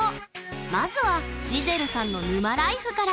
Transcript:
まずはジゼルさんの沼ライフから。